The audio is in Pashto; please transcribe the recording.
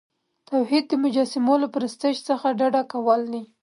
توحید د مجسمو له پرستش څخه ډډه کول دي.